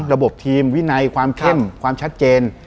ระบบทีมวินัยความเข้มความชัดเจน